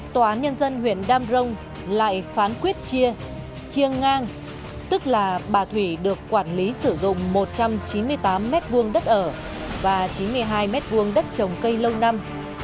tòa án nhân dân huyện đam rông lại phán quyết chia ngang tức là bà thủy được quản lý sử dụng một trăm chín mươi tám m hai đất ở và chín mươi hai m hai đất trồng cây lâu năm